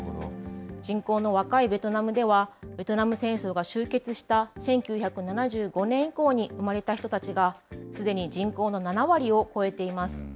人口の若いベトナムでは、ベトナム戦争が終結した１９７５年以降に生まれた人たちが、すでに人口の７割を超えています。